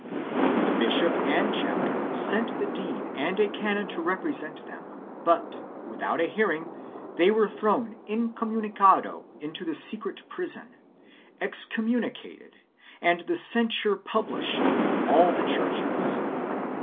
The bishop and chapter sent the dean and a canon to represent them, but, without a hearing, they were thrown incomunicado into the secret prison, excom CHAP. Ill] EIGHT TO REFUSE OFFICE 421 municated and the censure published in all the churches.